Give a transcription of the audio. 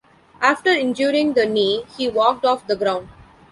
After injuring the knee he walked off the ground.